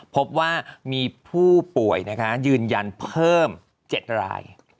พบว่ามีผู้ป่วยนะคะยืนยันเพิ่ม๗ราย